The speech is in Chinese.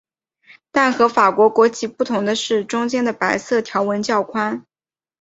但和法国国旗不同的是中间的白色条纹较宽。